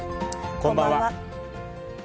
こんばんは。